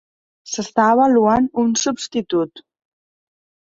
S'està avaluant un substitut.